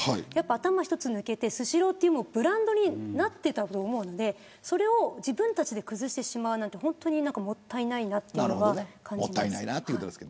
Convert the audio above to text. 頭一つ抜けてスシローというブランドになっていたと思うのでそれを自分たちで崩してしまうなんて本当にもったいないという感じです。